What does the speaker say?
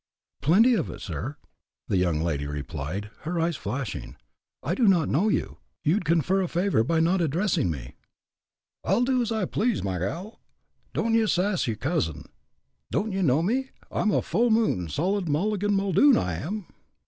"Plenty of it, sir," the young lady replied, her eyes flashing. "I do not know you; you'd confer a favor by not addressing me." "I'll do as I please, my gal; don't ye sass yer cuzzin. Don't ye know me? I'm a 'full moon' solid Mulligan Muldoon, I am."